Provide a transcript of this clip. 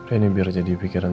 ini biar jadi pikiran